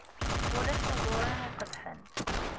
Ulac taẓuri iqebḥen.